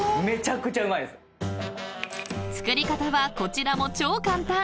ホント⁉［作り方はこちらも超簡単！］